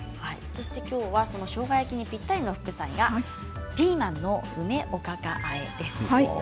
今日はしょうが焼きにぴったりの副菜がピーマンの梅おかかあえです。